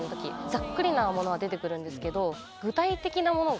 ざっくりなものは出てくるんですけど。